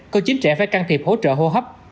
có chín trẻ phải can thiệp hỗ trợ hô hấp